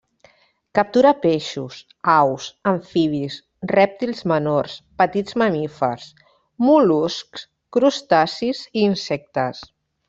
Captura peixos, aus, amfibis, rèptils menors, petits mamífers, mol·luscs, crustacis i insectes.